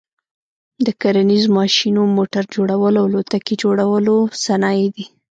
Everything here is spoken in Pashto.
د کرنیز ماشینو، موټر جوړلو او الوتکي جوړلو صنایع دي.